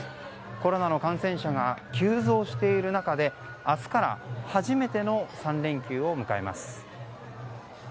コロナの感染者が急増している中で明日から初めての３連休を迎えます。